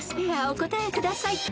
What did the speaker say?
お答えください］